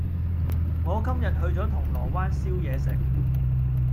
我今日去咗銅鑼灣燒嘢食